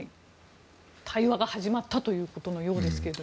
対話が始まったということのようですけど。